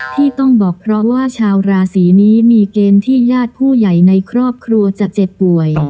ที่ต้องบอกเพราะว่าชาวราศีนี้มีเกณฑ์ที่ญาติผู้ใหญ่ในครอบครัวจะเจ็บป่วย